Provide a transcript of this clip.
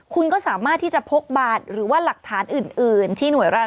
คุณก็สามารถที่จะพกบัตรหรือว่าหลักฐานอื่น